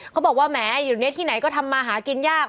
เขาบอกว่าแหมอยู่ในที่ไหนก็ทำมาหากินยาก